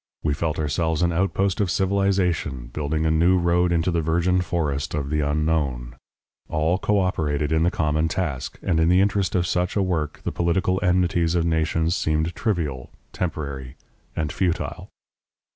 We felt ourselves an outpost of civilization, building a new road into the virgin forest of the unknown. All coöperated in the common task, and in the interest of such a work the political enmities of nations seemed trivial, temporary, and futile.